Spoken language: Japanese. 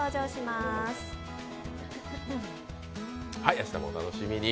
明日もお楽しみに。